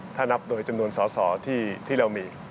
ถ้านับโดยจำนวนสอสอที่เรามี